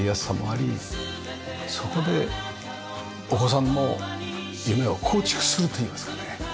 そこでお子さんの夢を構築するといいますかね。